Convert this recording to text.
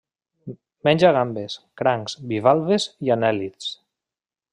Menja gambes, crancs, bivalves i anèl·lids.